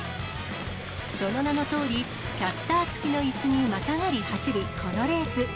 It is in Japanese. その名のとおり、キャスター付きのいすにまたがり走る、このレース。